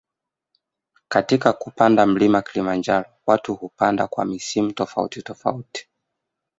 Katika kupanda mlima kilimanjaro watu hupanda kwa misimu tofauti tofauti